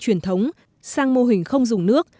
truyền thống sang mô hình không dùng nước